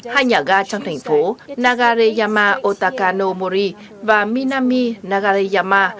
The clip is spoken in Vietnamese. hai nhà ga trong thành phố nagareyama otaka no mori và minami nagareyama